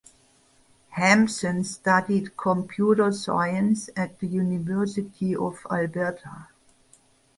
Hampson studied computer science at the University of Alberta.